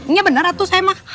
iya bener atuh saya mah